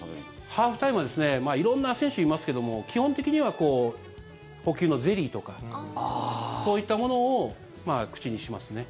ハーフタイムは色んな選手いますけども基本的には補給のゼリーとかそういったものを口にしますね。